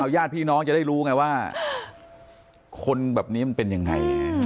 ญาติพี่น้องจะได้รู้ไงว่าคนแบบนี้มันเป็นยังไง